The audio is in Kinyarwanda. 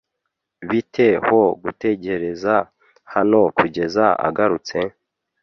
Bite ho gutegereza hano kugeza agarutse?